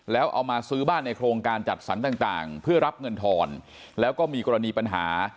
แล้วเอามาซื้อบ้านในโครงการจัดสรรต่างเพื่อรับเงินทอนแล้วก็มีกรณีปัญหา